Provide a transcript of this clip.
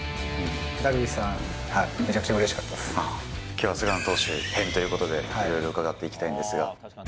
今日は菅野投手編ということでいろいろ伺っていきたいんですが。